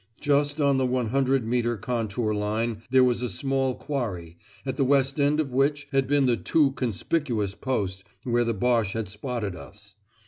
Just on the one hundred metre contour line there was a small quarry, at the west end of which had been the too conspicuous post where the Boche had spotted us.